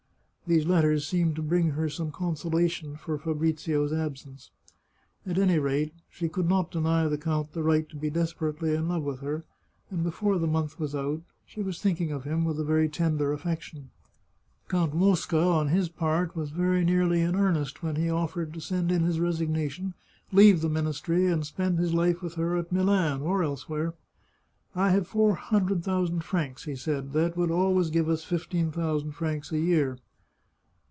These letters seemed to bring her some consolation for Fabrizio's absence. At any rate, she could not deny the count the right to be desperately in love with her, and be fore the month was out she was thinking of him with a very tender affection. Count Mosca, on his part, was very nearly 107 The Chartreuse of Parma in earnest when he offered to send in his resignation, leave the ministry, and spend his Hfe with her at Milan or else where. " I have four hundred thousand francs," he said ;" that would always give us fifteen thousand francs a year."